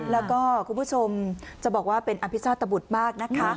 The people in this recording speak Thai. แล้วก็คุณผู้ชมจะบอกว่าเป็นอภิชาตบุตรมากนะคะ